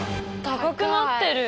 高くなってる。